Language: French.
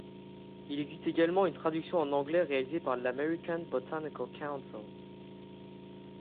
Il existe également une traduction en anglais réalisée par l'American Botanical Council.